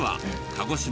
鹿児島？